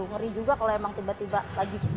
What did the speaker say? ngeri juga kalau emang tiba tiba lagi